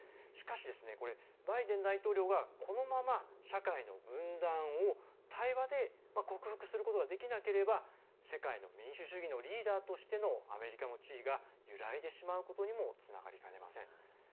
しかし、バイデン大統領がこのまま、社会の分断を対話で克服することができなければ世界の民主主義のリーダーとしてのアメリカの地位が揺らいでしまうことにもつながりかねません。